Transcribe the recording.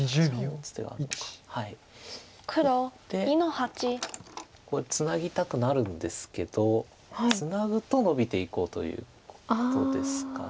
打ってこれツナぎたくなるんですけどツナぐとノビていこうということですか。